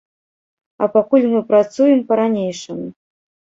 А пакуль мы працуем па-ранейшаму.